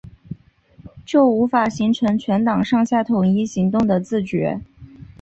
就无法形成全党上下统一行动的自觉